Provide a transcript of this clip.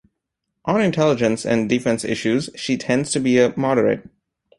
On intelligence and defense issues, she tends to be a moderate.